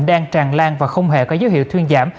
đang tràn lan và không hề có dấu hiệu thuyên giảm